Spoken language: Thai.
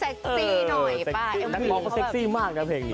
เอื้อนักร้องต้องเซ็กซี่มากนะเพลงนี้